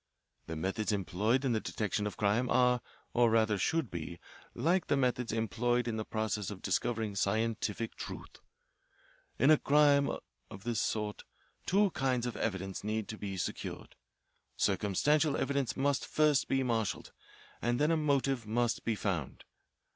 The methods employed in the detection of crime are, or rather should be, like the methods employed in the process of discovering scientific truth. In a crime of this sort, two kinds of evidence need to be secured. Circumstantial evidence must first be marshalled, and then a motive must be found.